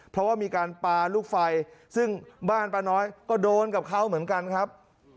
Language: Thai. เพราะว่ามีการปลาลูกไฟซึ่งบ้านป้าน้อยก็โดนกับเขาเหมือนกันครับ